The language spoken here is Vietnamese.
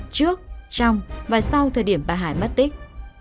trước trong và sau thời điểm bà hải mất tích